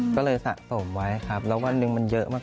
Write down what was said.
ก็เลยสะสมไว้ครับแล้ววันหนึ่งมันเยอะมาก